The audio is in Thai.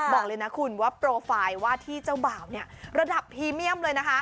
บอกเลยนะคุณว่าโปรไฟล์ว่าที่เจ้าบ่าวเนี่ยระดับพรีเมียมเลยนะคะ